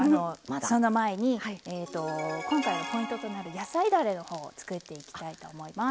その前に今回のポイントとなる野菜だれの方を作っていきたいと思います。